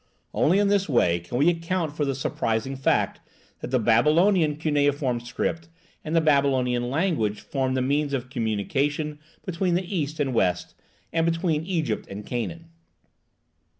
Only in this way can we account for the surprising fact that the Babylonian cuneiform script and the Babylonian language form the means of communication between the east and west and between Egypt and Canaan.